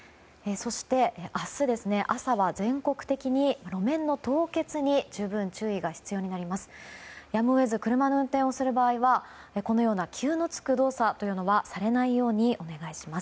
そして、明日朝は全国的に路面の凍結に十分、注意が必要になります。